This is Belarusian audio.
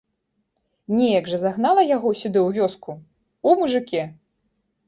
Неяк жа загнала яго сюды ў вёску, у мужыкі?!